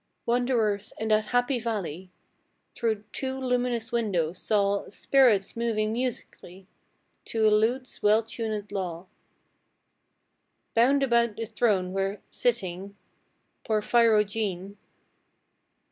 Wanderers in that happy valley, Through two luminous windows, saw Spirits moving musically, To a lute's well tunëd law, Bound about a throne where, sitting (Porphyrogene!)